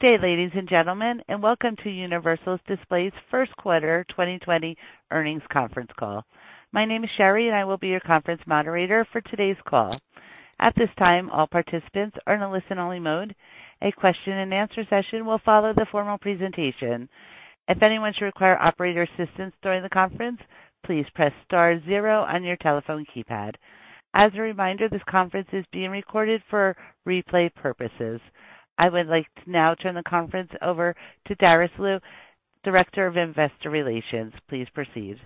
Good day, ladies and gentlemen, and welcome to Universal Display's first quarter 2020 earnings conference call. My name is Sherry, and I will be your conference moderator for today's call. At this time, all participants are in a listen-only mode. A question-and-answer session will follow the formal presentation. If anyone should require operator assistance during the conference, please press star zero on your telephone keypad. As a reminder, this conference is being recorded for replay purposes. I would like to now turn the conference over to Darice Liu, Director of Investor Relations. Please proceed.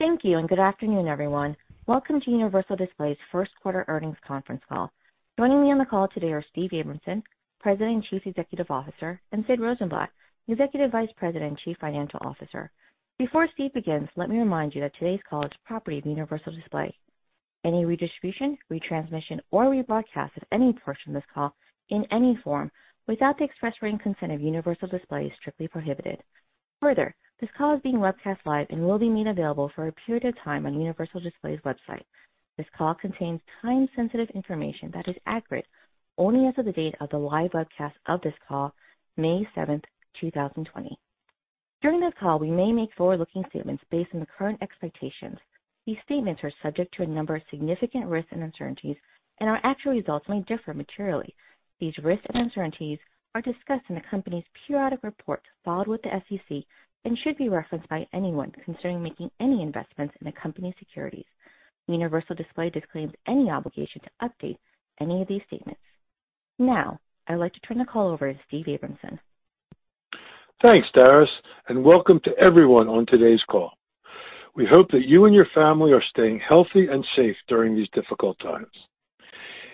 Thank you, and good afternoon, everyone. Welcome to Universal Display's first quarter earnings conference call. Joining me on the call today are Steve Abramson, President and Chief Executive Officer, and Sid Rosenblatt, Executive Vice President and Chief Financial Officer. Before Steve begins, let me remind you that today's call is a property of Universal Display. Any redistribution, retransmission, or rebroadcast of any portion of this call in any form without the express written consent of Universal Display is strictly prohibited. Further, this call is being webcast live and will be made available for a period of time on Universal Display's website. This call contains time-sensitive information that is accurate only as of the date of the live webcast of this call, May 7th, 2020. During this call, we may make forward-looking statements based on the current expectations. These statements are subject to a number of significant risks and uncertainties, and our actual results may differ materially. These risks and uncertainties are discussed in the company's periodic report, filed with the SEC, and should be referenced by anyone considering making any investments in the company's securities. Universal Display disclaims any obligation to update any of these statements. Now, I'd like to turn the call over to Steve Abramson. Thanks, Darice, and welcome to everyone on today's call. We hope that you and your family are staying healthy and safe during these difficult times.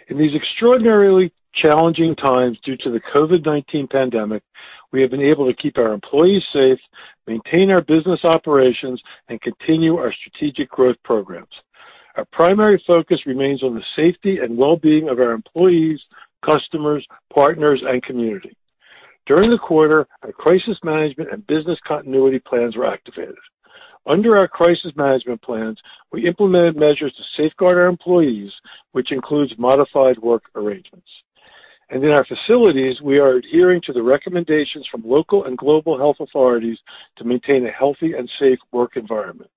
In these extraordinarily challenging times due to the COVID-19 pandemic, we have been able to keep our employees safe, maintain our business operations, and continue our strategic growth programs. Our primary focus remains on the safety and well-being of our employees, customers, partners, and community. During the quarter, our crisis management and business continuity plans were activated. Under our crisis management plans, we implemented measures to safeguard our employees, which includes modified work arrangements. And in our facilities, we are adhering to the recommendations from local and global health authorities to maintain a healthy and safe work environment.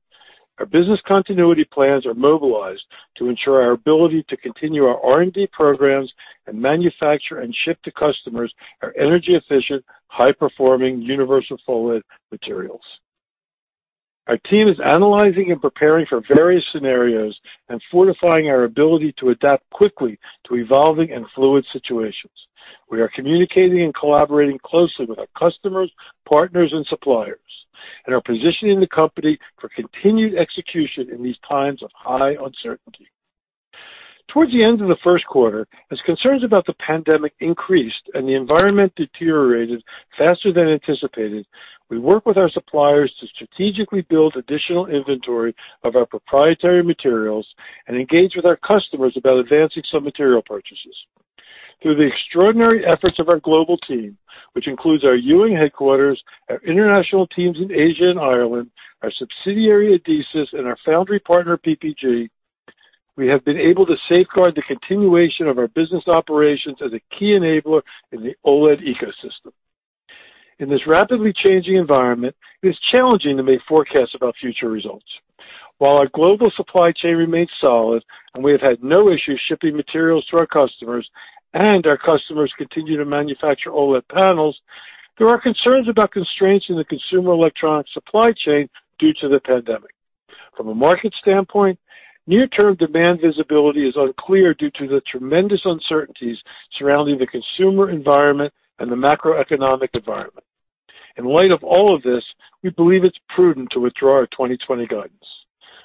Our business continuity plans are mobilized to ensure our ability to continue our R&D programs and manufacture and ship to customers our energy-efficient, high-performing Universal PHOLED materials. Our team is analyzing and preparing for various scenarios and fortifying our ability to adapt quickly to evolving and fluid situations. We are communicating and collaborating closely with our customers, partners, and suppliers, and are positioning the company for continued execution in these times of high uncertainty. Towards the end of the first quarter, as concerns about the pandemic increased and the environment deteriorated faster than anticipated, we worked with our suppliers to strategically build additional inventory of our proprietary materials and engage with our customers about advancing some material purchases. Through the extraordinary efforts of our global team, which includes our Ewing headquarters, our international teams in Asia and Ireland, our subsidiary Adesis, and our foundry partner PPG, we have been able to safeguard the continuation of our business operations as a key enabler in the OLED ecosystem. In this rapidly changing environment, it is challenging to make forecasts about future results. While our global supply chain remains solid and we have had no issues shipping materials to our customers, and our customers continue to manufacture OLED panels, there are concerns about constraints in the consumer electronics supply chain due to the pandemic. From a market standpoint, near-term demand visibility is unclear due to the tremendous uncertainties surrounding the consumer environment and the macroeconomic environment. In light of all of this, we believe it's prudent to withdraw our 2020 guidance.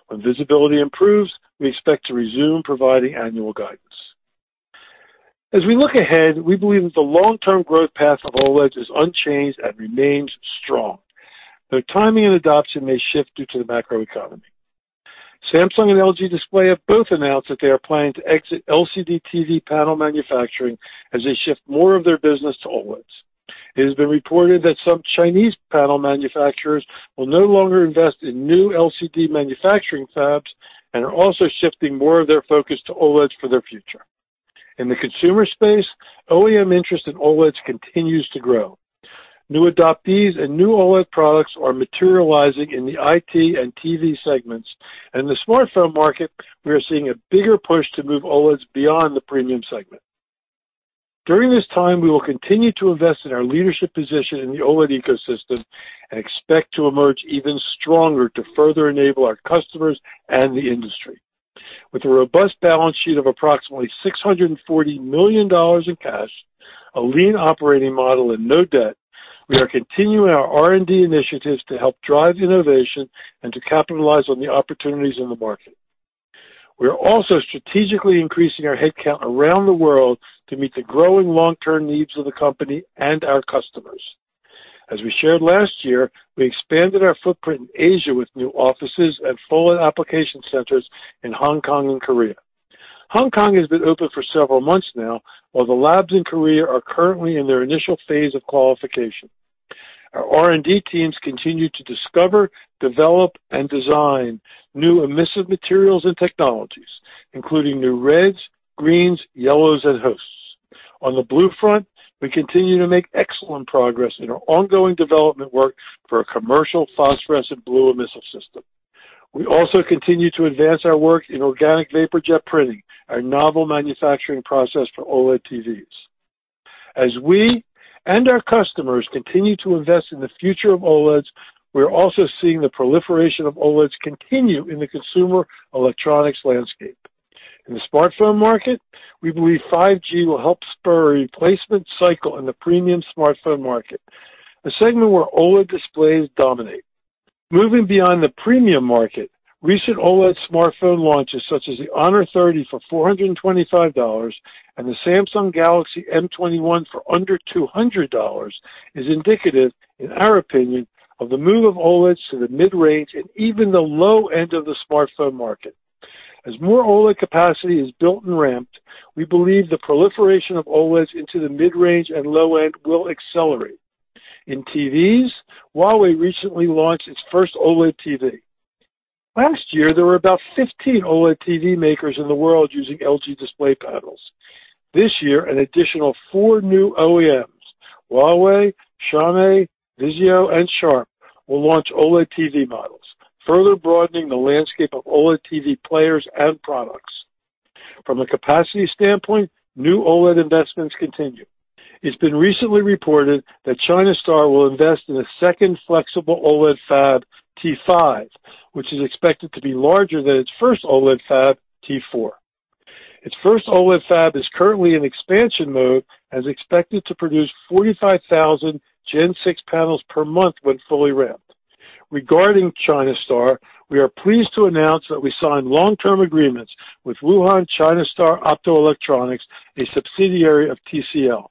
When visibility improves, we expect to resume providing annual guidance. As we look ahead, we believe that the long-term growth path of OLEDs is unchanged and remains strong. Their timing and adoption may shift due to the macroeconomy. Samsung and LG Display have both announced that they are planning to exit LCD TV panel manufacturing as they shift more of their business to OLEDs. It has been reported that some Chinese panel manufacturers will no longer invest in new LCD manufacturing fabs and are also shifting more of their focus to OLEDs for their future. In the consumer space, OEM interest in OLEDs continues to grow. New adopters and new OLED products are materializing in the IT and TV segments, and in the smartphone market, we are seeing a bigger push to move OLEDs beyond the premium segment. During this time, we will continue to invest in our leadership position in the OLED ecosystem and expect to emerge even stronger to further enable our customers and the industry. With a robust balance sheet of approximately $640 million in cash, a lean operating model, and no debt, we are continuing our R&D initiatives to help drive innovation and to capitalize on the opportunities in the market. We are also strategically increasing our headcount around the world to meet the growing long-term needs of the company and our customers. As we shared last year, we expanded our footprint in Asia with new offices and full application centers in Hong Kong and Korea. Hong Kong has been open for several months now, while the labs in Korea are currently in their initial phase of qualification. Our R&D teams continue to discover, develop, and design new emissive materials and technologies, including new reds, greens, yellows, and hosts. On the blue front, we continue to make excellent progress in our ongoing development work for a commercial phosphorescent blue emissive system. We also continue to advance our work in organic vapor jet printing, our novel manufacturing process for OLED TVs. As we and our customers continue to invest in the future of OLEDs, we are also seeing the proliferation of OLEDs continue in the consumer electronics landscape. In the smartphone market, we believe 5G will help spur a replacement cycle in the premium smartphone market, a segment where OLED displays dominate. Moving beyond the premium market, recent OLED smartphone launches such as the Honor 30 for $425 and the Samsung Galaxy M21 for under $200 is indicative, in our opinion, of the move of OLEDs to the mid-range and even the low end of the smartphone market. As more OLED capacity is built and ramped, we believe the proliferation of OLEDs into the mid-range and low end will accelerate. In TVs, Huawei recently launched its first OLED TV. Last year, there were about 15 OLED TV makers in the world using LG Display panels. This year, an additional four new OEMs (Huawei, Xiaomi, Vizio, and Sharp) will launch OLED TV models, further broadening the landscape of OLED TV players and products. From a capacity standpoint, new OLED investments continue. It's been recently reported that China Star will invest in a second flexible OLED fab, T5, which is expected to be larger than its first OLED fab, T4. Its first OLED fab is currently in expansion mode and is expected to produce 45,000 Gen 6 panels per month when fully ramped. Regarding China Star, we are pleased to announce that we signed long-term agreements with Wuhan China Star Optoelectronics, a subsidiary of TCL.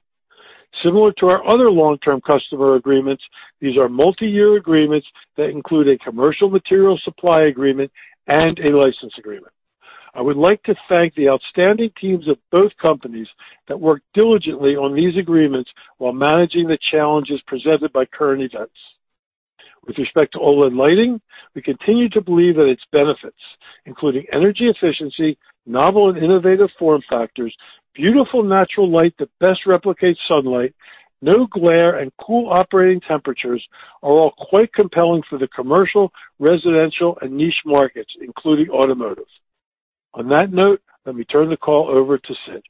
Similar to our other long-term customer agreements, these are multi-year agreements that include a commercial material supply agreement and a license agreement. I would like to thank the outstanding teams of both companies that worked diligently on these agreements while managing the challenges presented by current events. With respect to OLED lighting, we continue to believe that its benefits, including energy efficiency, novel and innovative form factors, beautiful natural light that best replicates sunlight, no glare, and cool operating temperatures, are all quite compelling for the commercial, residential, and niche markets, including automotive. On that note, let me turn the call over to Sid.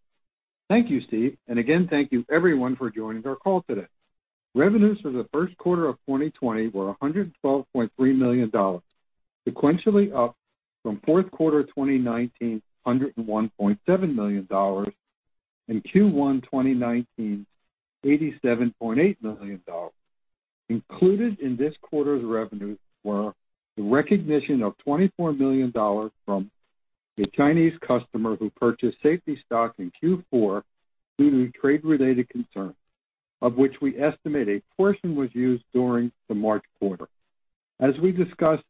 Thank you, Steve, and again, thank you everyone for joining our call today. Revenues for the first quarter of 2020 were $112.3 million, sequentially up from fourth quarter 2019, $101.7 million, and Q1 2019, $87.8 million. Included in this quarter's revenues were the recognition of $24 million from a Chinese customer who purchased safety stock in Q4 due to trade-related concerns, of which we estimate a portion was used during the March quarter. As we discussed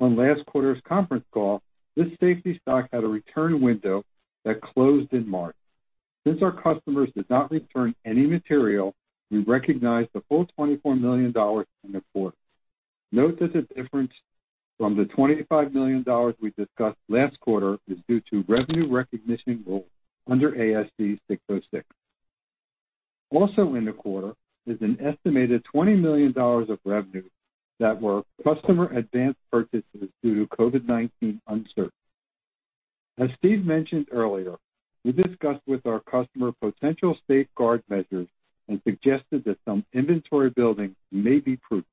on last quarter's conference call, this safety stock had a return window that closed in March. Since our customers did not return any material, we recognized the full $24 million in the quarter. Note that the difference from the $25 million we discussed last quarter is due to revenue recognition rules under ASC 606. Also in the quarter is an estimated $20 million of revenue that were customer advance purchases due to COVID-19 uncertainty. As Steve mentioned earlier, we discussed with our customer potential safeguard measures and suggested that some inventory building may be prudent.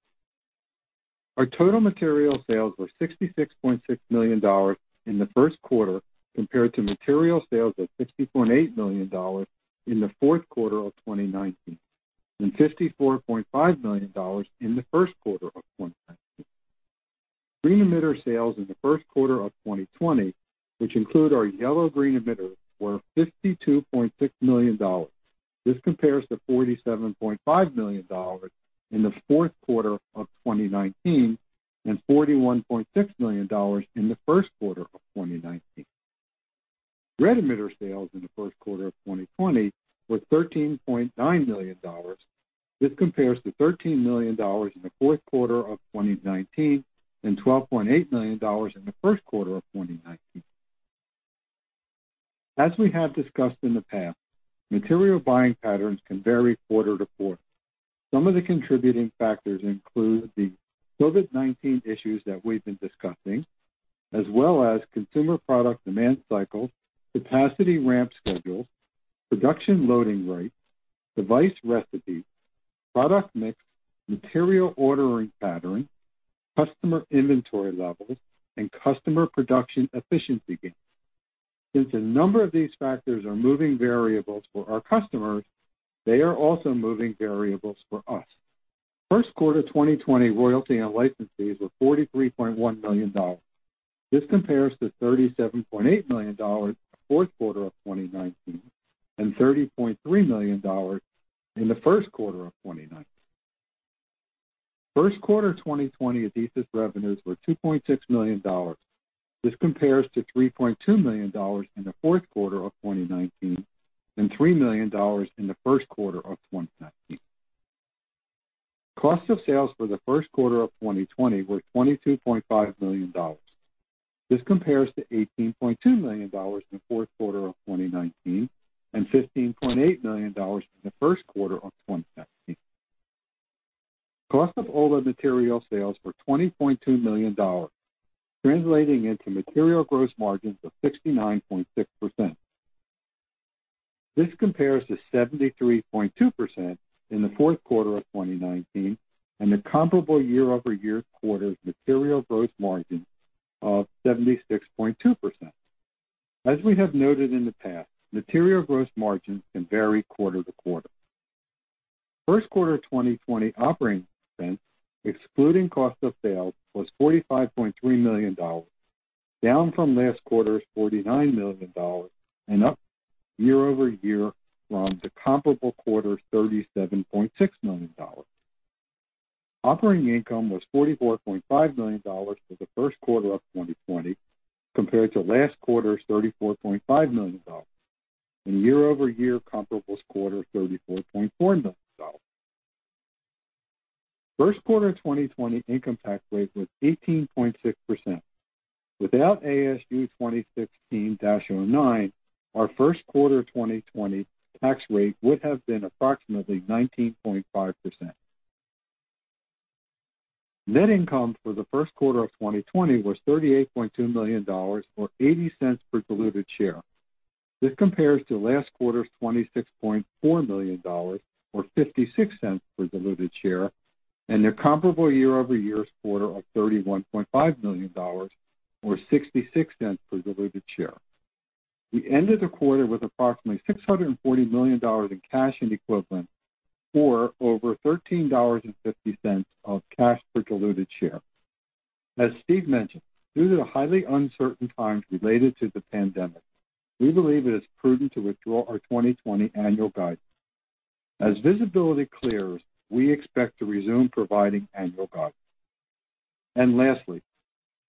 Our total material sales were $66.6 million in the first quarter compared to material sales of $60.8 million in the fourth quarter of 2019 and $54.5 million in the first quarter of 2019. Green emitter sales in the first quarter of 2020, which include our yellow-green emitters, were $52.6 million. This compares to $47.5 million in the fourth quarter of 2019 and $41.6 million in the first quarter of 2019. Red emitter sales in the first quarter of 2020 were $13.9 million. This compares to $13 million in the fourth quarter of 2019 and $12.8 million in the first quarter of 2019. As we have discussed in the past, material buying patterns can vary quarter to quarter. Some of the contributing factors include the COVID-19 issues that we've been discussing, as well as consumer product demand cycles, capacity ramp schedules, production loading rates, device recipes, product mix, material ordering pattern, customer inventory levels, and customer production efficiency gains. Since a number of these factors are moving variables for our customers, they are also moving variables for us. First quarter 2020 royalty and licenses were $43.1 million. This compares to $37.8 million in the fourth quarter of 2019 and $30.3 million in the first quarter of 2019. First quarter 2020 Adesis revenues were $2.6 million. This compares to $3.2 million in the fourth quarter of 2019 and $3 million in the first quarter of 2019. Cost of sales for the first quarter of 2020 were $22.5 million. This compares to $18.2 million in the fourth quarter of 2019 and $15.8 million in the first quarter of 2019. Cost of OLED material sales were $20.2 million, translating into material gross margins of 69.6%. This compares to 73.2% in the fourth quarter of 2019 and the comparable year-over-year quarter's material gross margin of 76.2%. As we have noted in the past, material gross margins can vary quarter to quarter. First quarter 2020 operating expense, excluding cost of sales, was $45.3 million, down from last quarter's $49 million and up year-over-year from the comparable quarter's $37.6 million. Operating income was $44.5 million for the first quarter of 2020 compared to last quarter's $34.5 million, and year-over-year comparables quarter's $34.4 million. First quarter 2020 income tax rate was 18.6%. Without ASU 2016-09, our first quarter 2020 tax rate would have been approximately 19.5%. Net income for the first quarter of 2020 was $38.2 million, or $0.80 per diluted share. This compares to last quarter's $26.4 million, or $0.56 per diluted share, and the comparable year-over-year quarter of $31.5 million, or $0.66 per diluted share. We ended the quarter with approximately $640 million in cash and equivalent, or over $13.50 of cash per diluted share. As Steve mentioned, due to the highly uncertain times related to the pandemic, we believe it is prudent to withdraw our 2020 annual guidance. As visibility clears, we expect to resume providing annual guidance. And lastly,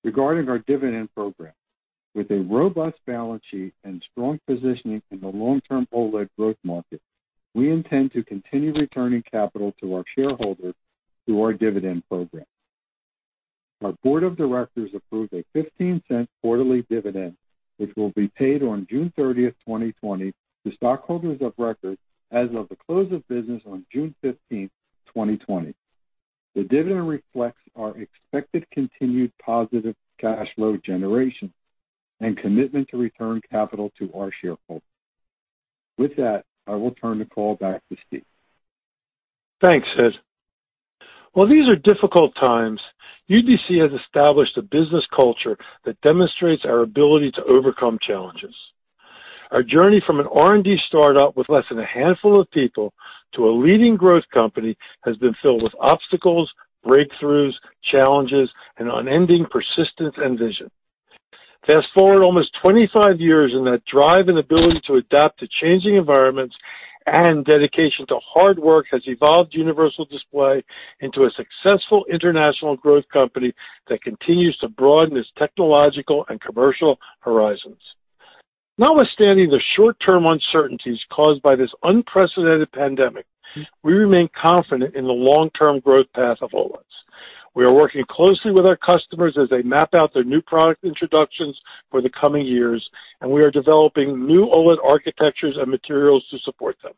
regarding our dividend program, with a robust balance sheet and strong positioning in the long-term OLED growth market, we intend to continue returning capital to our shareholders through our dividend program. Our board of directors approved a $0.15 quarterly dividend, which will be paid on June 30, 2020, to stockholders of record as of the close of business on June 15, 2020. The dividend reflects our expected continued positive cash flow generation and commitment to return capital to our shareholders. With that, I will turn the call back to Steve. Thanks, Sid. While these are difficult times, UDC has established a business culture that demonstrates our ability to overcome challenges. Our journey from an R&D startup with less than a handful of people to a leading growth company has been filled with obstacles, breakthroughs, challenges, and unending persistence and vision. Fast forward almost 25 years, and that drive and ability to adapt to changing environments and dedication to hard work has evolved Universal Display into a successful international growth company that continues to broaden its technological and commercial horizons. Notwithstanding the short-term uncertainties caused by this unprecedented pandemic, we remain confident in the long-term growth path of OLEDs. We are working closely with our customers as they map out their new product introductions for the coming years, and we are developing new OLED architectures and materials to support them.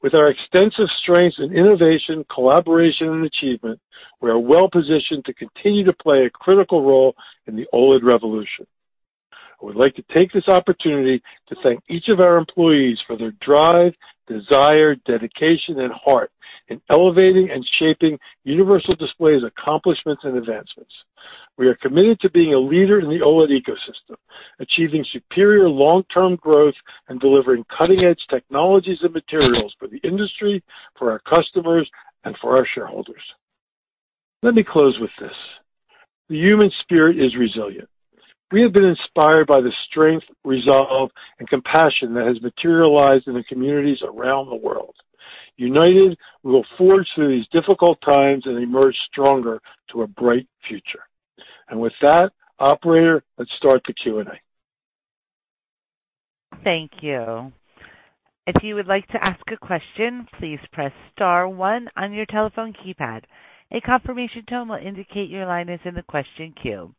With our extensive strengths in innovation, collaboration, and achievement, we are well-positioned to continue to play a critical role in the OLED revolution. I would like to take this opportunity to thank each of our employees for their drive, desire, dedication, and heart in elevating and shaping Universal Display's accomplishments and advancements. We are committed to being a leader in the OLED ecosystem, achieving superior long-term growth and delivering cutting-edge technologies and materials for the industry, for our customers, and for our shareholders. Let me close with this: the human spirit is resilient. We have been inspired by the strength, resolve, and compassion that has materialized in the communities around the world. United, we will forge through these difficult times and emerge stronger to a bright future. And with that, operator, let's start the Q&A. Thank you. If you would like to ask a question, please press star one on your telephone keypad. A confirmation tone will indicate your line is in the question queue.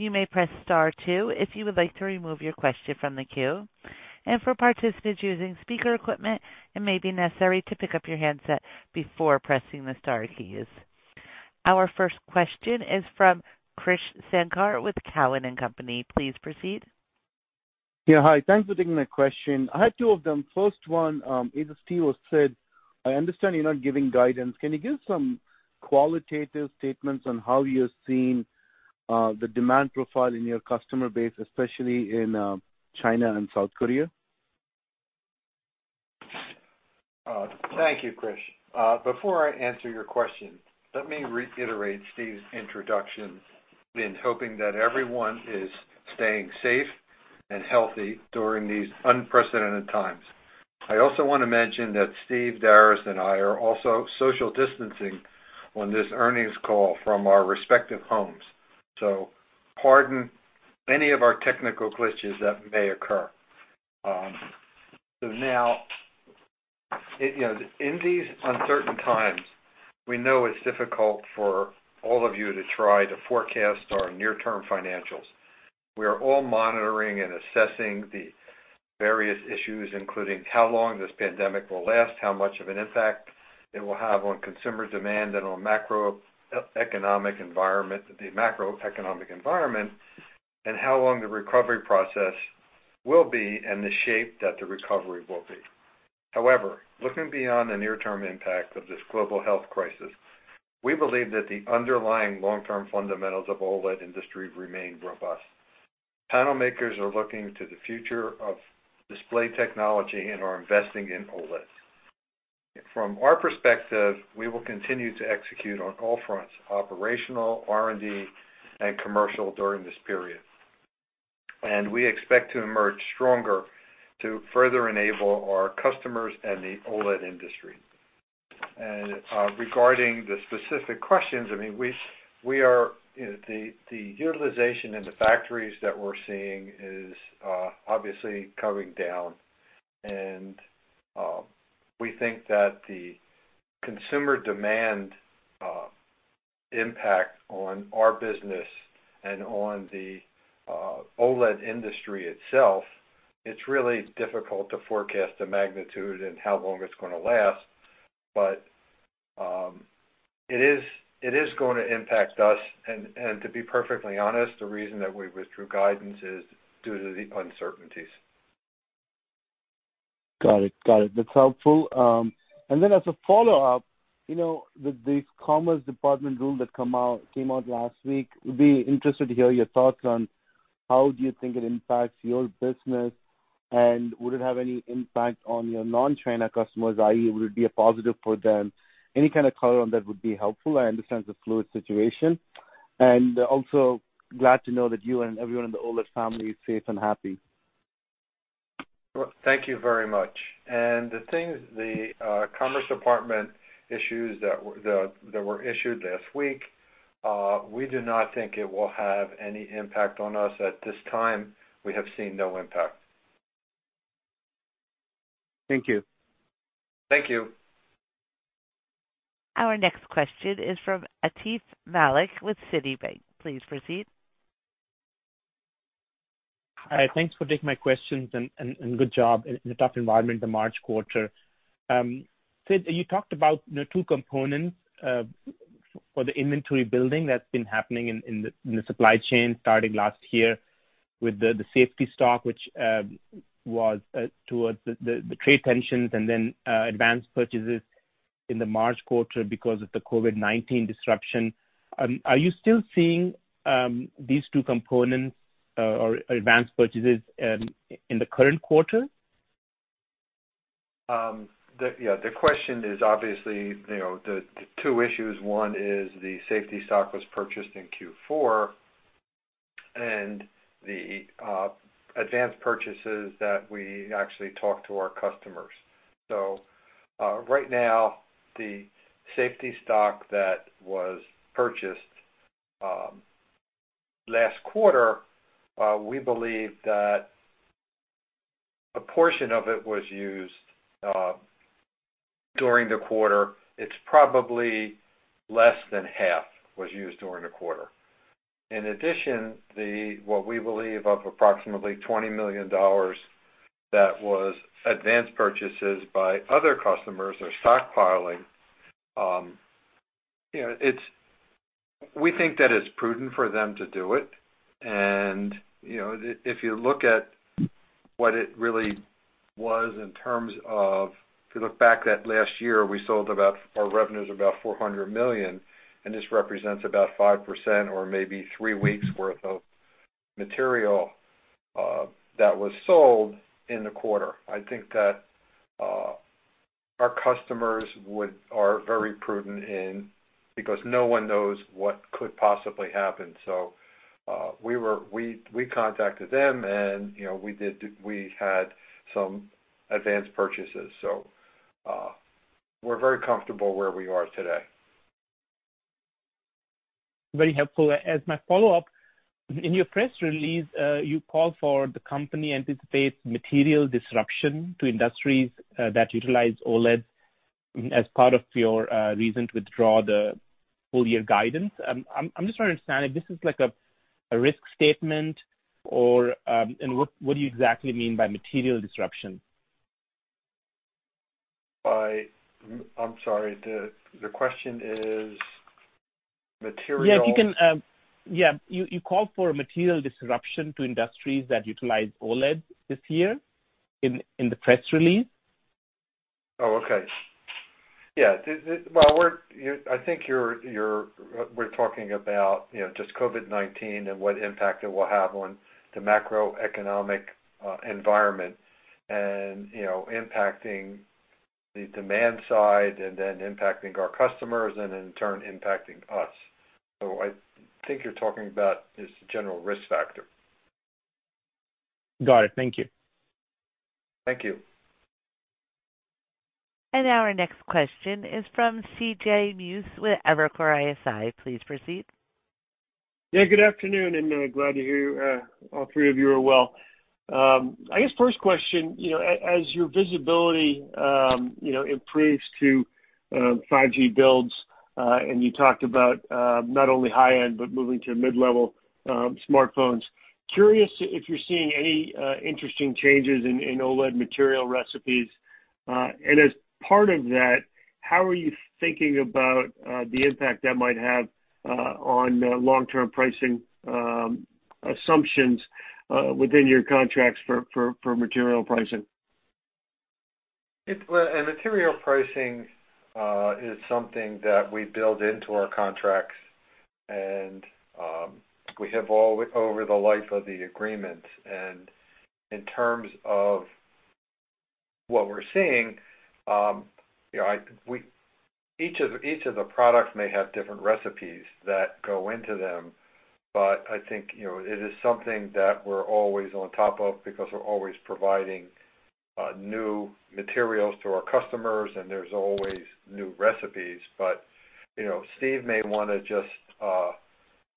You may press star two if you would like to remove your question from the queue. For participants using speaker equipment, it may be necessary to pick up your handset before pressing the star keys. Our first question is from Krish Sankar with Cowen and Company. Please proceed. Yeah, hi. Thanks for taking the question. I had two of them. First one, as Steve said, I understand you're not giving guidance. Can you give some qualitative statements on how you're seeing the demand profile in your customer base, especially in China and South Korea? Thank you, Krish. Before I answer your question, let me reiterate Steve's introduction and hoping that everyone is staying safe and healthy during these unprecedented times. I also want to mention that Steve, Darice, and I are also social distancing on this earnings call from our respective homes, so pardon any of our technical glitches that may occur. Now, in these uncertain times, we know it's difficult for all of you to try to forecast our near-term financials. We are all monitoring and assessing the various issues, including how long this pandemic will last, how much of an impact it will have on consumer demand and on the macroeconomic environment, and how long the recovery process will be and the shape that the recovery will be. However, looking beyond the near-term impact of this global health crisis, we believe that the underlying long-term fundamentals of the OLED industry remain robust. Panel makers are looking to the future of display technology and are investing in OLEDs. From our perspective, we will continue to execute on all fronts: operational, R&D, and commercial during this period, and we expect to emerge stronger to further enable our customers and the OLED industry, and regarding the specific questions. I mean, the utilization in the factories that we're seeing is obviously coming down, and we think that the consumer demand impact on our business and on the OLED industry itself. It's really difficult to forecast the magnitude and how long it's going to last, but it is going to impact us, and to be perfectly honest, the reason that we withdrew guidance is due to the uncertainties. Got it. Got it. That's helpful. And then as a follow-up, with these Commerce Department rules that came out last week, we'd be interested to hear your thoughts on how do you think it impacts your business, and would it have any impact on your non-China customers, i.e., would it be a positive for them? Any kind of color on that would be helpful. I understand it's a fluid situation. And also, glad to know that you and everyone in the OLED family is safe and happy. Thank you very much. The things, the Commerce Department issues that were issued last week, we do not think it will have any impact on us at this time. We have seen no impact. Thank you. Thank you. Our next question is from Atif Malik with Citibank. Please proceed. Hi. Thanks for taking my questions and good job in the tough environment in the March quarter. Sid, you talked about two components for the inventory building that's been happening in the supply chain starting last year with the safety stock, which was towards the trade tensions and then advanced purchases in the March quarter because of the COVID-19 disruption. Are you still seeing these two components or advanced purchases in the current quarter? Yeah. The question is obviously the two issues. One is the safety stock was purchased in Q4 and the advanced purchases that we actually talked to our customers. So right now, the safety stock that was purchased last quarter, we believe that a portion of it was used during the quarter. It's probably less than half was used during the quarter. In addition, what we believe of approximately $20 million that was advanced purchases by other customers or stockpiling, we think that it's prudent for them to do it. And if you look at what it really was in terms of if you look back at last year, we sold about our revenues about $400 million, and this represents about 5% or maybe three weeks' worth of material that was sold in the quarter. I think that our customers are very prudent in because no one knows what could possibly happen. So we contacted them, and we had some advanced purchases. So we're very comfortable where we are today. Very helpful. As my follow-up, in your press release, you called for the company anticipates material disruption to industries that utilize OLEDs as part of your reason to withdraw the full-year guidance. I'm just trying to understand if this is like a risk statement or what do you exactly mean by material disruption? I'm sorry. The question is material. Yeah. You called for material disruption to industries that utilize OLEDs this year in the press release. Oh, okay. Yeah. Well, I think we're talking about just COVID-19 and what impact it will have on the macroeconomic environment and impacting the demand side and then impacting our customers and in turn impacting us. So I think you're talking about this general risk factor. Got it. Thank you. Thank you. Our next question is from C.J. Muse with Evercore ISI. Please proceed. Yeah. Good afternoon, and glad to hear all three of you are well. I guess first question, as your visibility improves to 5G builds, and you talked about not only high-end but moving to mid-level smartphones, curious if you're seeing any interesting changes in OLED material recipes? And as part of that, how are you thinking about the impact that might have on long-term pricing assumptions within your contracts for material pricing? Material pricing is something that we build into our contracts, and we have all over the life of the agreement, and in terms of what we're seeing, each of the products may have different recipes that go into them, but I think it is something that we're always on top of because we're always providing new materials to our customers, and there's always new recipes, but Steve may want to just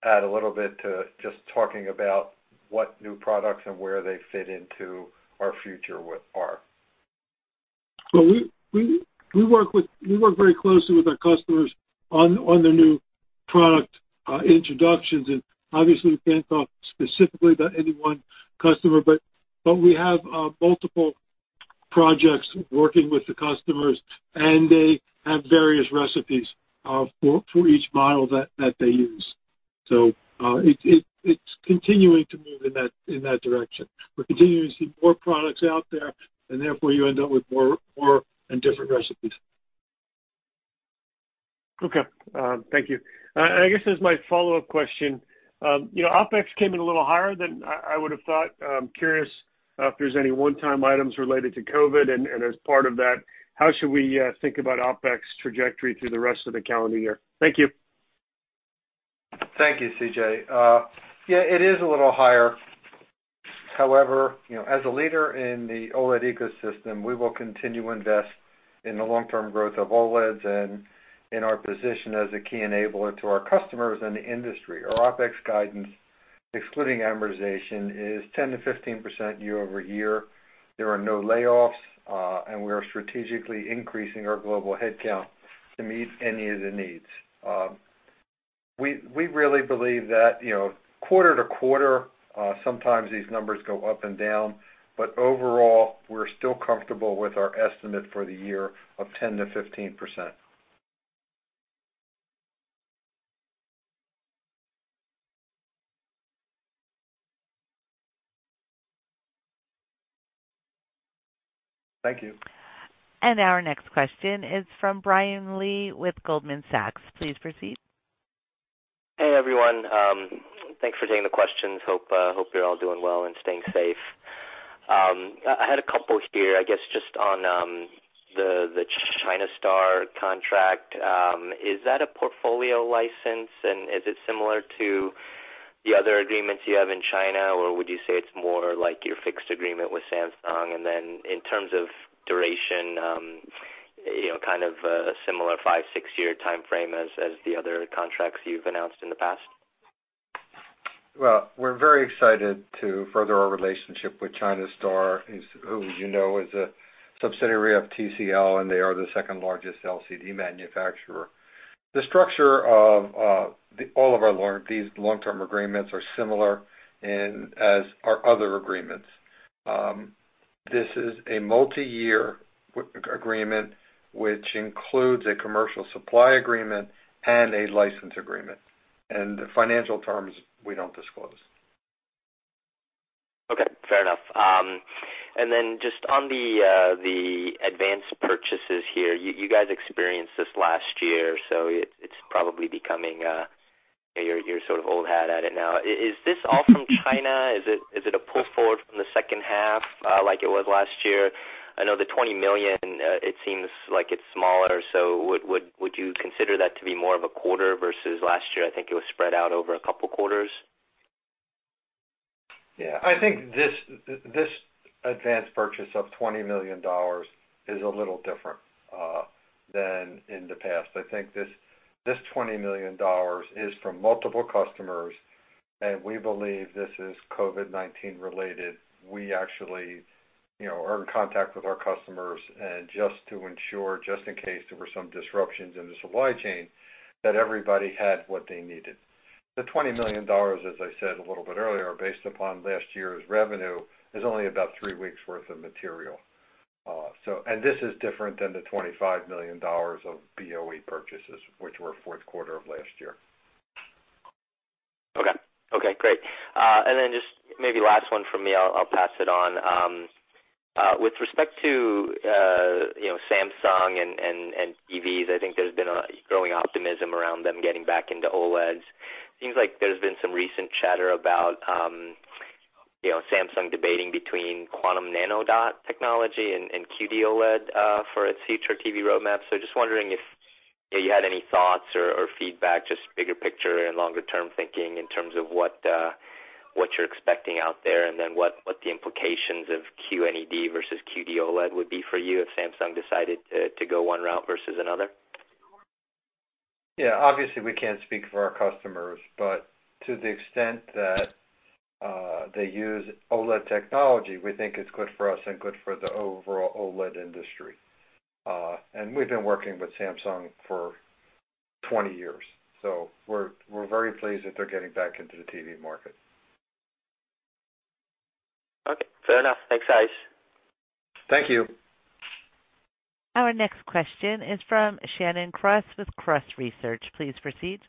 add a little bit to just talking about what new products and where they fit into our future are. We work very closely with our customers on the new product introductions. And obviously, we can't talk specifically about any one customer, but we have multiple projects working with the customers, and they have various recipes for each model that they use. So it's continuing to move in that direction. We're continuing to see more products out there, and therefore, you end up with more and different recipes. Okay. Thank you. I guess as my follow-up question, OpEx came in a little higher than I would have thought. I'm curious if there's any one-time items related to COVID, and as part of that, how should we think about OpEx trajectory through the rest of the calendar year? Thank you. Thank you, C.J. Yeah, it is a little higher. However, as a leader in the OLED ecosystem, we will continue to invest in the long-term growth of OLEDs and in our position as a key enabler to our customers and the industry. Our OpEx guidance, excluding amortization, is 10%-15% year over year. There are no layoffs, and we are strategically increasing our global headcount to meet any of the needs. We really believe that quarter to quarter, sometimes these numbers go up and down, but overall, we're still comfortable with our estimate for the year of 10%-15%. Thank you. Our next question is from Brian Lee with Goldman Sachs. Please proceed. Hey, everyone. Thanks for taking the questions. Hope you're all doing well and staying safe. I had a couple here, I guess, just on the China Star contract. Is that a portfolio license, and is it similar to the other agreements you have in China, or would you say it's more like your fixed agreement with Samsung? And then in terms of duration, kind of a similar five, six-year timeframe as the other contracts you've announced in the past? We're very excited to further our relationship with China Star, who you know is a subsidiary of TCL, and they are the second largest LCD manufacturer. The structure of all of these long-term agreements are similar as our other agreements. This is a multi-year agreement, which includes a commercial supply agreement and a license agreement. The financial terms, we don't disclose. Okay. Fair enough. And then just on the advanced purchases here, you guys experienced this last year, so it's probably becoming, you're sort of old hat at it now. Is this all from China? Is it a pull forward from the second half like it was last year? I know the $20 million, it seems like it's smaller, so would you consider that to be more of a quarter versus last year? I think it was spread out over a couple of quarters. Yeah. I think this advanced purchase of $20 million is a little different than in the past. I think this $20 million is from multiple customers, and we believe this is COVID-19 related. We actually are in contact with our customers just to ensure, just in case there were some disruptions in the supply chain, that everybody had what they needed. The $20 million, as I said a little bit earlier, based upon last year's revenue, is only about three weeks' worth of material. And this is different than the $25 million of BOE purchases, which were fourth quarter of last year. Okay. Okay. Great. And then just maybe last one for me, I'll pass it on. With respect to Samsung and TVs, I think there's been a growing optimism around them getting back into OLEDs. Seems like there's been some recent chatter about Samsung debating between Quantum Nanodot technology and QD-OLED for its future TV roadmap. So just wondering if you had any thoughts or feedback, just bigger picture and longer-term thinking in terms of what you're expecting out there and then what the implications of QNED versus QD-OLED would be for you if Samsung decided to go one route versus another. Yeah. Obviously, we can't speak for our customers, but to the extent that they use OLED technology, we think it's good for us and good for the overall OLED industry. And we've been working with Samsung for 20 years, so we're very pleased that they're getting back into the TV market. Okay. Fair enough. Thanks, guys. Thank you. Our next question is from Shannon Cross with Cross Research. Please proceed.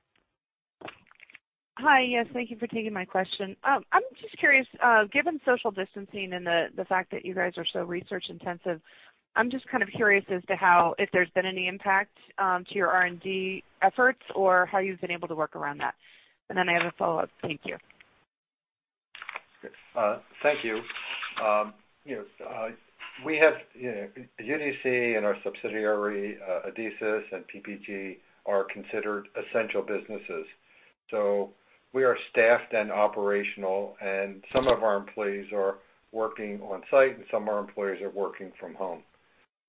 Hi. Yes. Thank you for taking my question. I'm just curious, given social distancing and the fact that you guys are so research-intensive, I'm just kind of curious as to how if there's been any impact to your R&D efforts or how you've been able to work around that. And then I have a follow-up. Thank you. Thank you. UDC and our subsidiary, Adesis, and PPG are considered essential businesses. So we are staffed and operational, and some of our employees are working on-site, and some of our employees are working from home.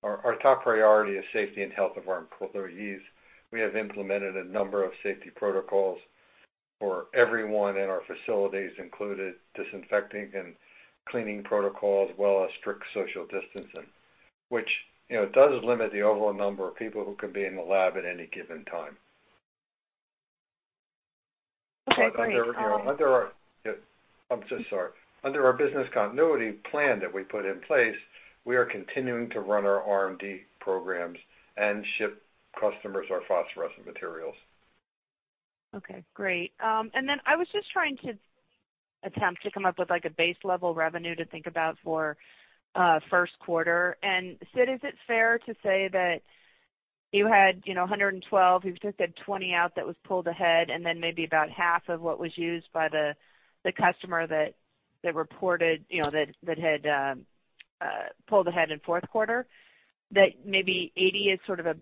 Our top priority is safety and health of our employees. We have implemented a number of safety protocols for everyone in our facilities, including disinfecting and cleaning protocols, as well as strict social distancing, which does limit the overall number of people who can be in the lab at any given time. Okay. Great. I'm so sorry. Under our business continuity plan that we put in place, we are continuing to run our R&D programs and ship customers our phosphorescent materials. Okay. Great. And then I was just trying to attempt to come up with a base-level revenue to think about for first quarter. And, Sid, is it fair to say that you had 112, you've just had 20 out that was pulled ahead, and then maybe about half of what was used by the customer that reported that had pulled ahead in fourth quarter, that maybe 80 is sort of a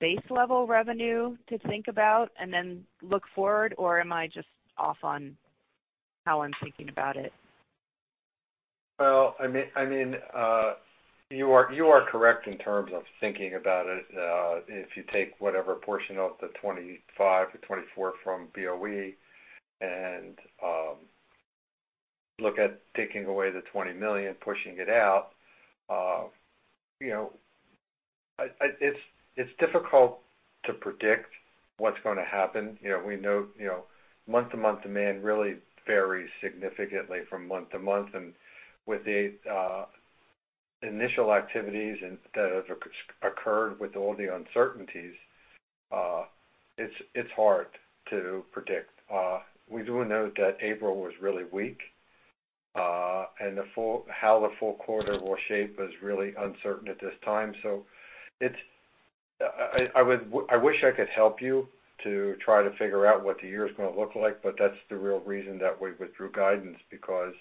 base-level revenue to think about and then look forward, or am I just off on how I'm thinking about it? I mean, you are correct in terms of thinking about it. If you take whatever portion of the $25 or $24 from BOE and look at taking away the $20 million, pushing it out, it's difficult to predict what's going to happen. We know month-to-month demand really varies significantly from month to month. And with the initial activities that have occurred with all the uncertainties, it's hard to predict. We do know that April was really weak, and how the full quarter will shape is really uncertain at this time. So I wish I could help you to try to figure out what the year is going to look like, but that's the real reason that we withdrew guidance because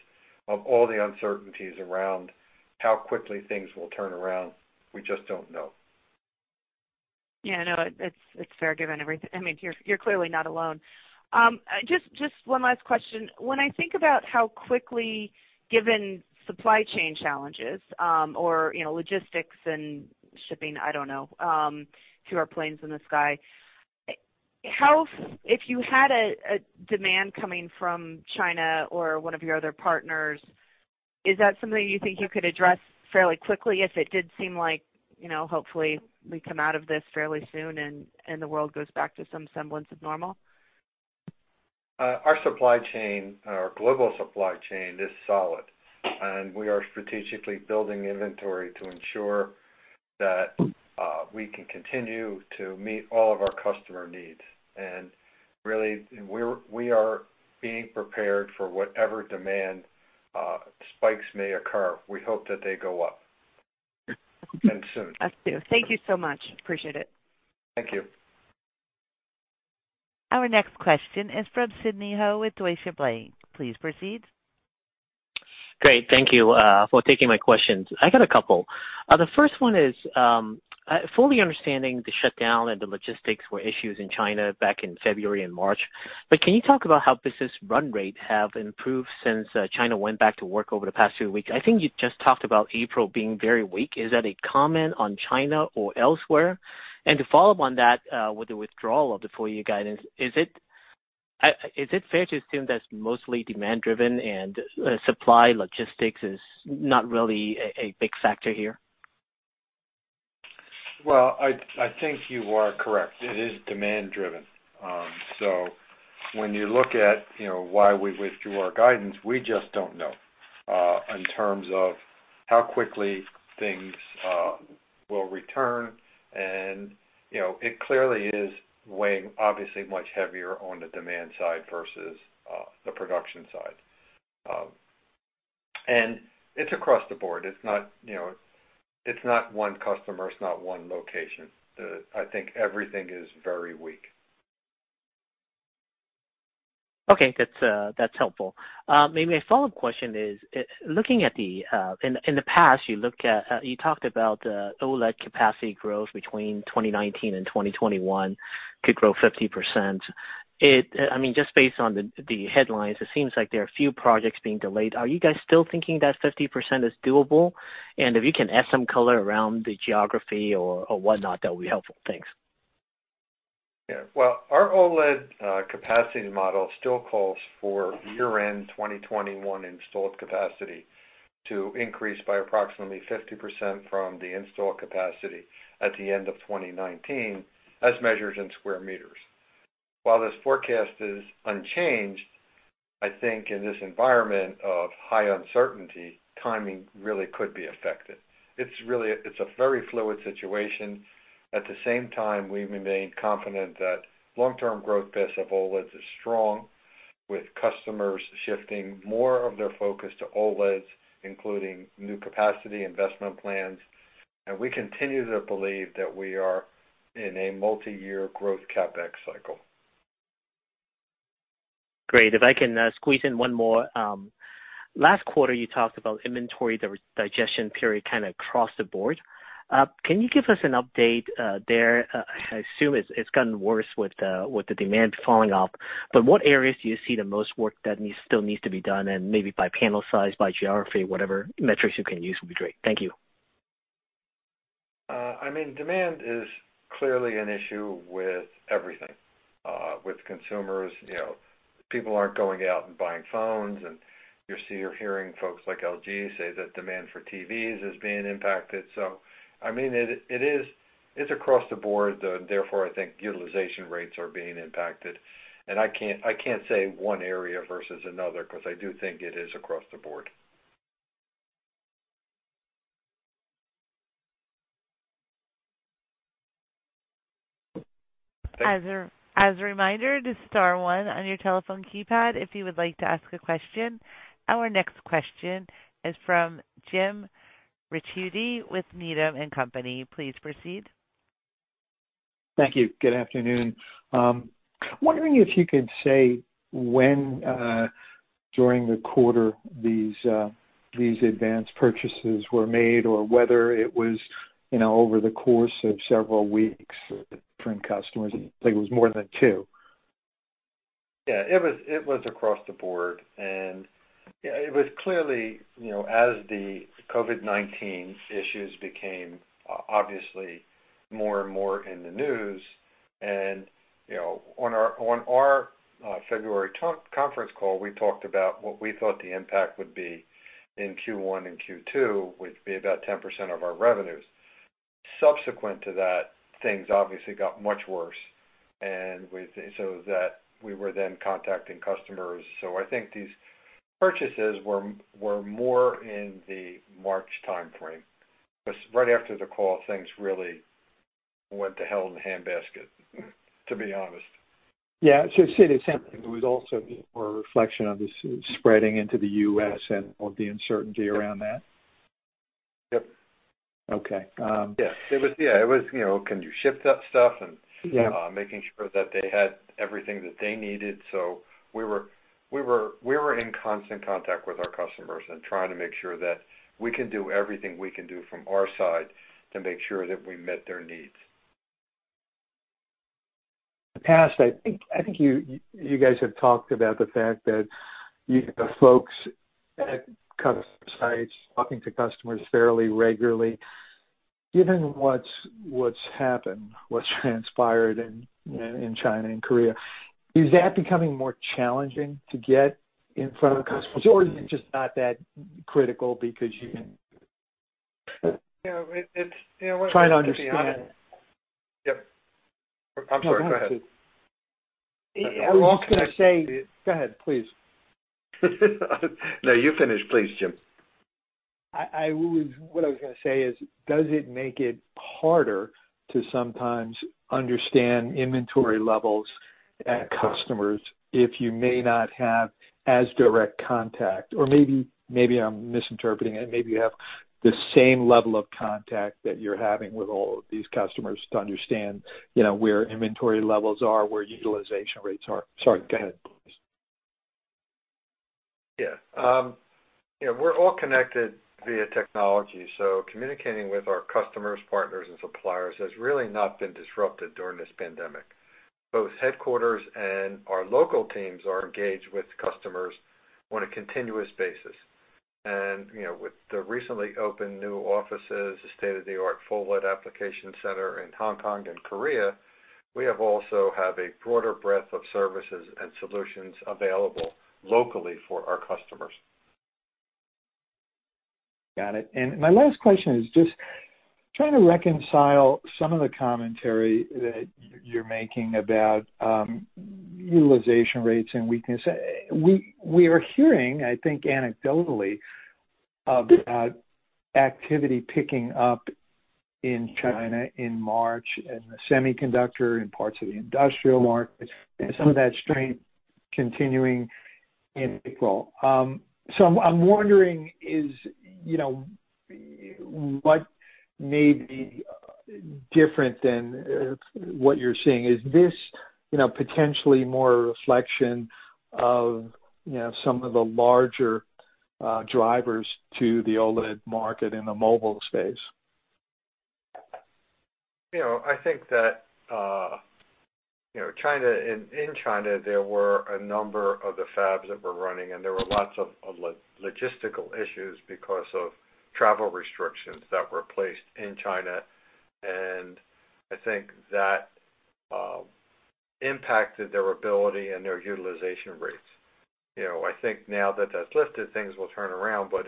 of all the uncertainties around how quickly things will turn around. We just don't know. Yeah. No, it's fair given everything. I mean, you're clearly not alone. Just one last question. When I think about how quickly, given supply chain challenges or logistics and shipping, I don't know, to our planes in the sky, if you had a demand coming from China or one of your other partners, is that something you think you could address fairly quickly if it did seem like, hopefully, we come out of this fairly soon and the world goes back to some semblance of normal? Our supply chain, our global supply chain, is solid, and we are strategically building inventory to ensure that we can continue to meet all of our customer needs, and really, we are being prepared for whatever demand spikes may occur. We hope that they go up and soon. Us too. Thank you so much. Appreciate it. Thank you. Our next question is from Sidney Ho with Deutsche Bank. Please proceed. Great. Thank you for taking my questions. I got a couple. The first one is fully understanding the shutdown and the logistics were issues in China back in February and March. But can you talk about how business run rate have improved since China went back to work over the past few weeks? I think you just talked about April being very weak. Is that a comment on China or elsewhere? And to follow up on that with the withdrawal of the four-year guidance, is it fair to assume that's mostly demand-driven and supply logistics is not really a big factor here? I think you are correct. It is demand-driven. So when you look at why we withdrew our guidance, we just don't know in terms of how quickly things will return. And it clearly is weighing, obviously, much heavier on the demand side versus the production side. And it's across the board. It's not one customer. It's not one location. I think everything is very weak. Okay. That's helpful. Maybe my follow-up question is, looking back in the past, you talked about OLED capacity growth between 2019 and 2021 could grow 50%. I mean, just based on the headlines, it seems like there are a few projects being delayed. Are you guys still thinking that 50% is doable? And if you can add some color around the geography or whatnot, that would be helpful. Thanks. Yeah. Well, our OLED capacity model still calls for year-end 2021 installed capacity to increase by approximately 50% from the installed capacity at the end of 2019 as measured in square meters. While this forecast is unchanged, I think in this environment of high uncertainty, timing really could be affected. It's a very fluid situation. At the same time, we remain confident that long-term growth base of OLEDs is strong, with customers shifting more of their focus to OLEDs, including new capacity investment plans. And we continue to believe that we are in a multi-year growth CapEx cycle. Great. If I can squeeze in one more, last quarter, you talked about inventory digestion period kind of across the board. Can you give us an update there? I assume it's gotten worse with the demand falling off, but what areas do you see the most work that still needs to be done? And maybe by panel size, by geography, whatever metrics you can use would be great. Thank you. I mean, demand is clearly an issue with everything. With consumers, people aren't going out and buying phones, and you're hearing folks like LG say that demand for TVs is being impacted. So I mean, it's across the board, and therefore, I think utilization rates are being impacted. And I can't say one area versus another because I do think it is across the board. As a reminder, star one on your telephone keypad if you would like to ask a question. Our next question is from Jim Ricchiuti with Needham & Company. Please proceed. Thank you. Good afternoon. Wondering if you could say when during the quarter these advanced purchases were made or whether it was over the course of several weeks from customers. It was more than two. Yeah. It was across the board. And it was clearly as the COVID-19 issues became obviously more and more in the news. And on our February conference call, we talked about what we thought the impact would be in Q1 and Q2, which would be about 10% of our revenues. Subsequent to that, things obviously got much worse. And so that we were then contacting customers. So I think these purchases were more in the March timeframe. But right after the call, things really went to hell in the handbasket, to be honest. Yeah. So Sid, it sounds like it was also a reflection of this spreading into the U.S. and all the uncertainty around that. Yep. Okay. Yeah. It was, "Can you ship that stuff?" and making sure that they had everything that they needed. So we were in constant contact with our customers and trying to make sure that we can do everything we can do from our side to make sure that we met their needs. In the past, I think you guys have talked about the fact that you have folks at customer sites talking to customers fairly regularly. Given what's happened, what's transpired in China and Korea, is that becoming more challenging to get in front of customers, or is it just not that critical because you can? Yeah. It's trying to understand. Yep. I'm sorry. Go ahead. I was going to say go ahead, please. No, you finish. Please, Jim. What I was going to say is, does it make it harder to sometimes understand inventory levels at customers if you may not have as direct contact? Or maybe I'm misinterpreting it. Maybe you have the same level of contact that you're having with all of these customers to understand where inventory levels are, where utilization rates are. Sorry. Go ahead, please. Yeah. We're all connected via technology. So communicating with our customers, partners, and suppliers has really not been disrupted during this pandemic. Both headquarters and our local teams are engaged with customers on a continuous basis. And with the recently opened new offices, the State of New York Application Center in Hong Kong and Korea, we also have a broader breadth of services and solutions available locally for our customers. Got it. And my last question is just trying to reconcile some of the commentary that you're making about utilization rates and weakness. We are hearing, I think, anecdotally, about activity picking up in China in March and the semiconductor and parts of the industrial market and some of that strength continuing in April. So I'm wondering, what may be different than what you're seeing? Is this potentially more a reflection of some of the larger drivers to the OLED market in the mobile space? I think that in China, there were a number of the fabs that were running, and there were lots of logistical issues because of travel restrictions that were placed in China. And I think that impacted their ability and their utilization rates. I think now that that's lifted, things will turn around. But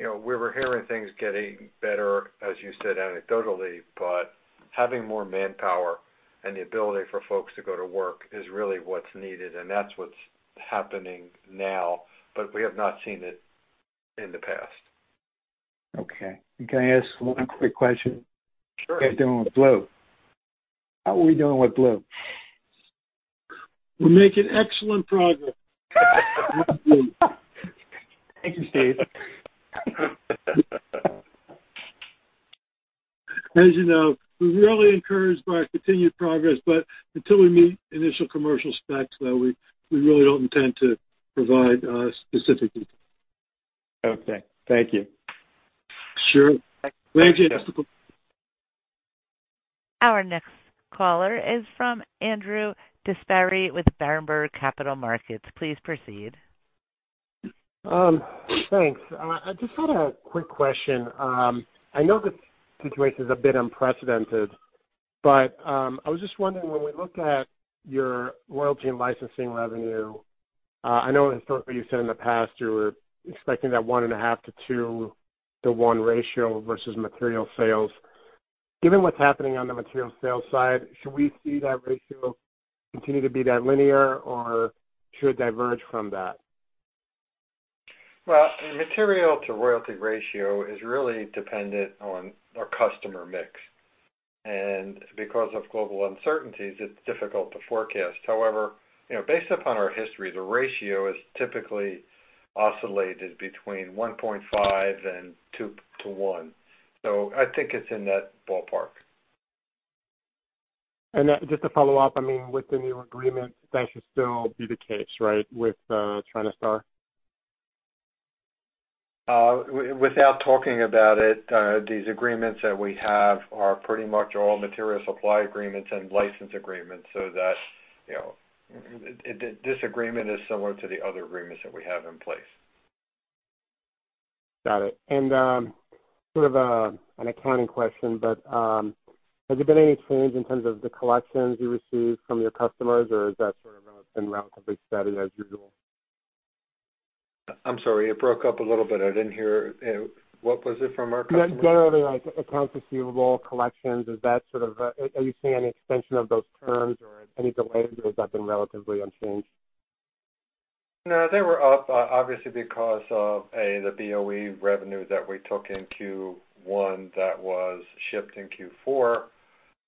we were hearing things getting better, as you said, anecdotally, but having more manpower and the ability for folks to go to work is really what's needed. And that's what's happening now, but we have not seen it in the past. Okay. Can I ask one quick question? Sure. How are we doing with Blue? We're making excellent progress. Thank you, Steve. As you know, we're really encouraged by continued progress, but until we meet initial commercial specs, though, we really don't intend to provide specific details. Okay. Thank you. Sure. Thank you. Our next caller is from Andrew DeGasperi with Berenberg Capital Markets. Please proceed. Thanks. I just had a quick question. I know the situation is a bit unprecedented, but I was just wondering, when we look at your royalty and licensing revenue, I know historically you said in the past you were expecting that one and a half to two to one ratio versus material sales. Given what's happening on the material sales side, should we see that ratio continue to be that linear, or should it diverge from that? The material to royalty ratio is really dependent on our customer mix. Because of global uncertainties, it's difficult to forecast. However, based upon our history, the ratio is typically oscillated between 1.5-to-1 and 2-to-1. So I think it's in that ballpark. Just to follow up, I mean, with the new agreement, that should still be the case, right, with China Star? Without talking about it, these agreements that we have are pretty much all material supply agreements and license agreements. So this agreement is similar to the other agreements that we have in place. Got it. And sort of an accounting question, but has there been any change in terms of the collections you receive from your customers, or has that sort of been relatively steady as usual? I'm sorry. It broke up a little bit. I didn't hear. What was it from our customers? Generally, accounts receivable, collections, are you seeing any extension of those terms or any delays, or has that been relatively unchanged? No, they were up, obviously, because of the BOE revenue that we took in Q1 that was shipped in Q4.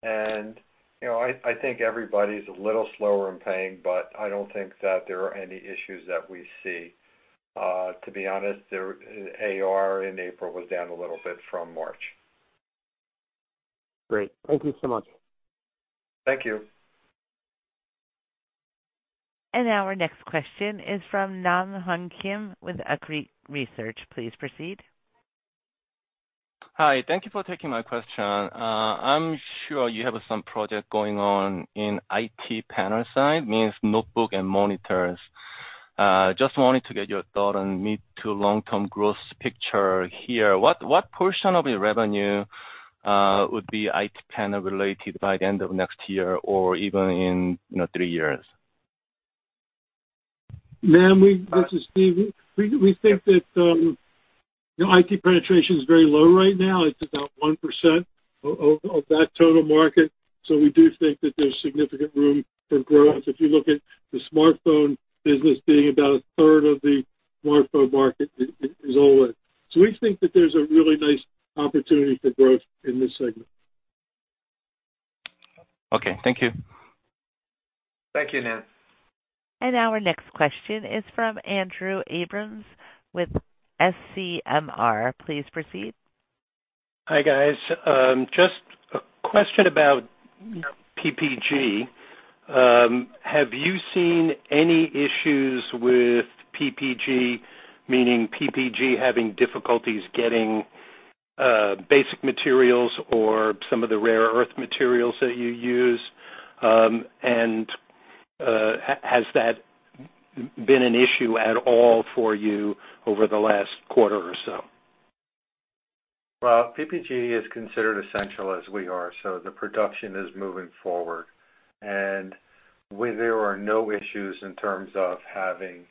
And I think everybody's a little slower in paying, but I don't think that there are any issues that we see. To be honest, AR in April was down a little bit from March. Great. Thank you so much. Thank you. And our next question is from Nam-Hyung Kim with Arete Research. Please proceed. Hi. Thank you for taking my question. I'm sure you have some project going on in IT panel side, meaning notebooks and monitors. Just wanted to get your thoughts and view of the long-term growth picture here. What portion of your revenue would be IT panel related by the end of next year or even in three years? Nam, this is Steve. We think that TV penetration is very low right now. It's about 1% of that total market. So we do think that there's significant room for growth. If you look at the smartphone business, being about a third of the smartphone market is OLED. So we think that there's a really nice opportunity for growth in this segment. Okay. Thank you. Thank you, Nam. Our next question is from Andrew Abrams with SCMR. Please proceed. Hi guys. Just a question about PPG. Have you seen any issues with PPG, meaning PPG having difficulties getting basic materials or some of the rare earth materials that you use? and has that been an issue at all for you over the last quarter or so? PPG is considered essential as we are. The production is moving forward. There are no issues in terms of having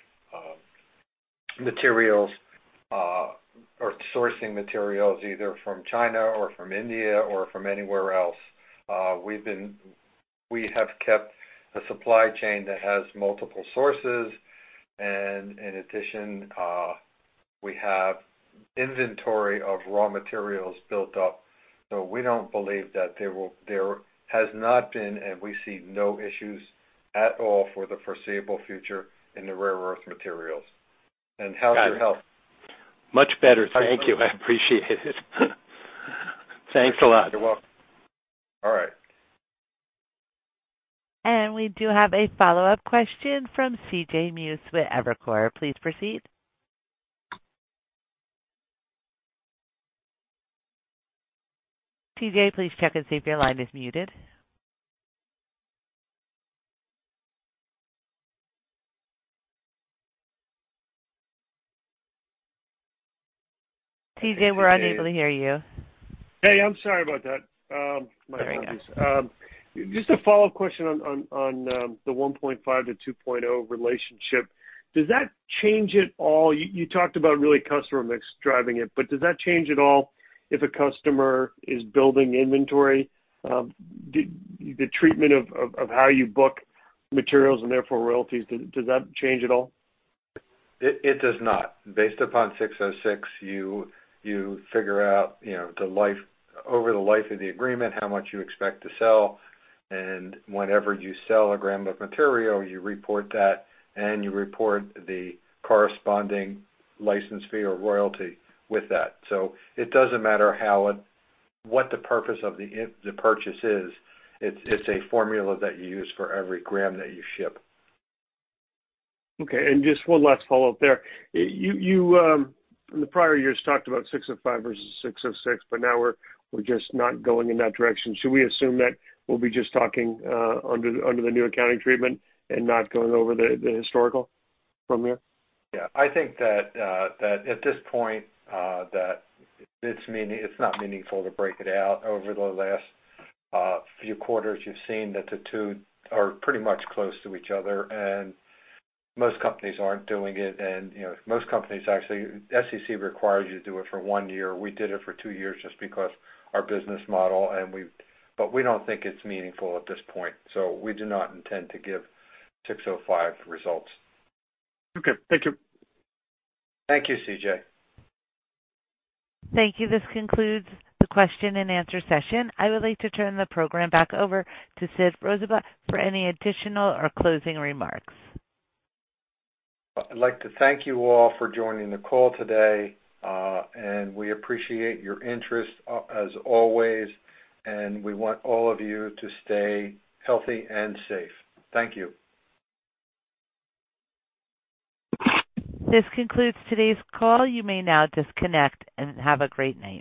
materials or sourcing materials either from China or from India or from anywhere else. We have kept a supply chain that has multiple sources. In addition, we have inventory of raw materials built up. We don't believe that there has not been, and we see no issues at all for the foreseeable future in the rare earth materials. How's your health? Much better. Thank you. I appreciate it. Thanks a lot. You're welcome. All right. And we do have a follow-up question from C.J. Muse with Evercore ISI. Please proceed. C.J., please check and see if your line is muted. C.J., we're unable to hear you. Hey, I'm sorry about that. There you go. Just a follow-up question on the 1.5-2.0 relationship. Does that change at all? You talked about really customer mix driving it, but does that change at all if a customer is building inventory? The treatment of how you book materials and therefore royalties, does that change at all? It does not. Based upon 606, you figure out over the life of the agreement how much you expect to sell. And whenever you sell a gram of material, you report that, and you report the corresponding license fee or royalty with that. So it doesn't matter what the purpose of the purchase is. It's a formula that you use for every gram that you ship. Okay. And just one last follow-up there. In the prior years, talked about ASC 605 versus ASC 606, but now we're just not going in that direction. Should we assume that we'll be just talking under the new accounting treatment and not going over the historical from here? Yeah. I think that at this point, it's not meaningful to break it out. Over the last few quarters, you've seen that the two are pretty much close to each other. And most companies aren't doing it. And most companies, actually, SEC requires you to do it for one year. We did it for two years just because of our business model. But we don't think it's meaningful at this point. So we do not intend to give 605 results. Okay. Thank you. Thank you, C.J. Thank you. This concludes the question and answer session. I would like to turn the program back over to Sid Rosenblatt for any additional or closing remarks. I'd like to thank you all for joining the call today. And we appreciate your interest as always. And we want all of you to stay healthy and safe. Thank you. This concludes today's call. You may now disconnect and have a great night.